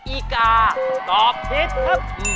อีกาตอบ